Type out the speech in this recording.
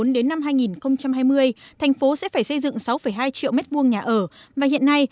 đến năm hai nghìn hai mươi thành phố sẽ phải xây dựng sáu hai triệu m hai nhà ở và hiện nay